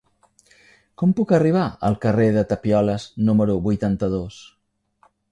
Com puc arribar al carrer de Tapioles número vuitanta-dos?